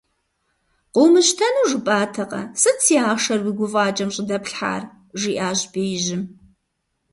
Къыумыщтэну жыпӀатэкъэ, сыт си ахъшэр уи гуфӀакӀэм щӀыдэплъхьар? - жиӀащ беижьым.